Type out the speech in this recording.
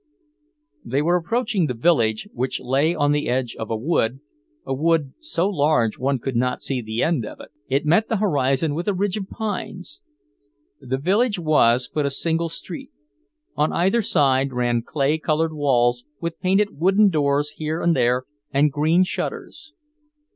They were approaching the village, which lay on the edge of a wood, a wood so large one could not see the end of it; it met the horizon with a ridge of pines. The village was but a single street. On either side ran clay coloured walls, with painted wooden doors here and there, and green shutters.